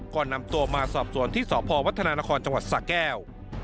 ก่อนนำตัวมาสอบสวนที่สพวัฒนานครจังหวัดสะแก้ว